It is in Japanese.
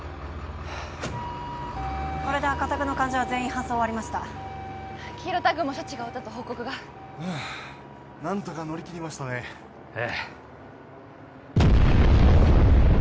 これで赤タグの患者は全員搬送終わりました黄色タグも処置が終わったと報告がああ何とか乗りきりましたねええ